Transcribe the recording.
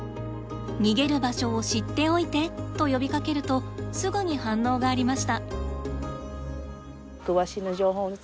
「逃げる場所を知っておいて」と呼びかけるとすぐに反応がありました。